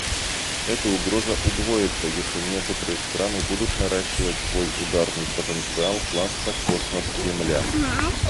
Эта угроза удвоится, если некоторые страны будут наращивать свой ударный потенциал класса "космос-земля".